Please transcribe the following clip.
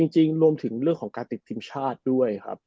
จริงรวมถึงเรื่องของการติดทีมชาติด้วยครับ